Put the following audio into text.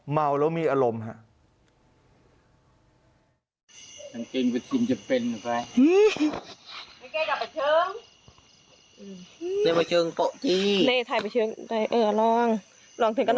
เมามีอารมณ์ค่ะ